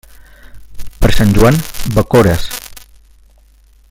Per sant Joan, bacores.